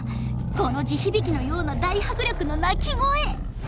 この地響きのような大迫力の鳴き声